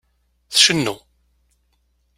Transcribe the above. Tcennu.